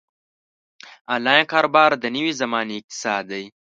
انلاین کاروبار د نوې زمانې اقتصاد دی.